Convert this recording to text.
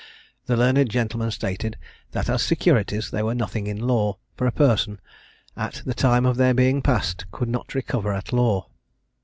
The learned gentleman stated, that as securities, they were nothing in law, for a person, at the time of their being passed, could not recover at law.